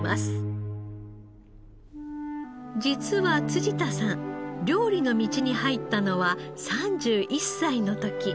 実は辻田さん料理の道に入ったのは３１歳の時。